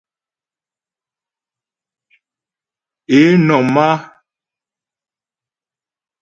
Ě nɔ̀m á.